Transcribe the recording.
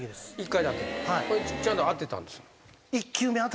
ちゃんと当てたんですか？